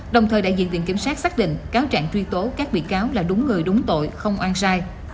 đồng thời đại diện viện kiểm sát xác định cáo trạng truy tố các bị cáo là đúng người đúng tội không oan sai